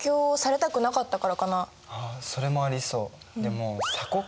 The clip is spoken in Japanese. それもありそう。